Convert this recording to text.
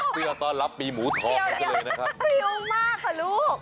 คือตอนรับปีหมูทองพริ้วมากค่ะลูก